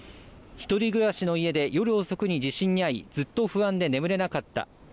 １人暮らしの家で夜遅くに地震にあいずっと不安で眠れなかった。